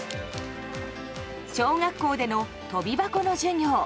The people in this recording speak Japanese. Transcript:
小学校での跳び箱の授業。